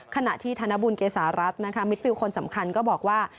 ขณะที่ธนบุญเกษารัฐนะคะมิดฟิลคนสำคัญก็บอกว่า